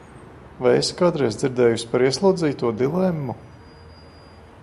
Vai esi kādreiz dzirdējusi par ieslodzīto dilemmu?